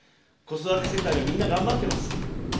子育て世帯も、みんな頑張ってます。